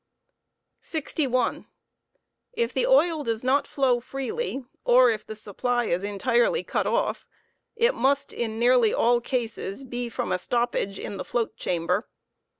stoppageofou. 61.. If the oil does not flow freely, or if the supply is entirely cut off, it must, in nearly all cases, be from a stoppage in the' float chamber.